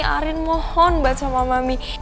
arin mohon buat sama mami